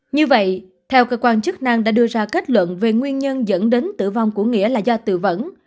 như vậy theo cơ quan chức năng đã đưa ra kết luận về nguyên nhân dẫn đến tử vong của nghĩa là do tự vẫn